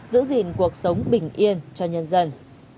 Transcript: giữ gìn cuộc sống bình yên cho nhân dân